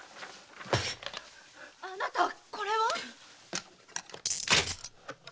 あなたこれは？